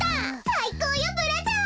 さいこうよブラザー！